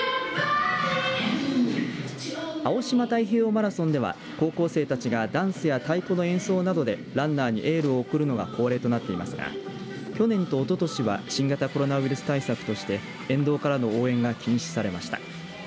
青島太平洋マラソンでは高校生たちがダンスや太鼓の演奏などでランナーにエールを送るのが恒例となっていますが去年と、おととしは新型コロナウイルス対策として沿道からの応援が禁止されました。